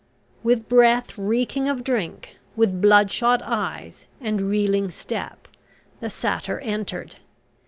With breath reeking of drink, with bloodshot eyes and reeling step, the satyr entered.